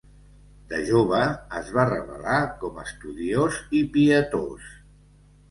De jove es va revelar com estudiós i pietós.